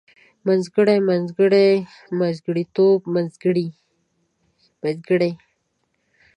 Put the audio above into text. منځګړی منځګړي منځګړيتوب منځګړۍ